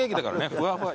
ふわふわ。